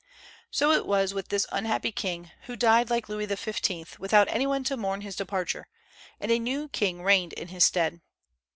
So it was with this unhappy king, who died like Louis XV. without any one to mourn his departure; and a new king reigned in his stead.